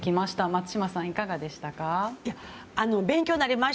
松嶋さん、いかがでしたか？